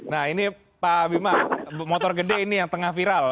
nah ini pak bima motor gede ini yang tengah viral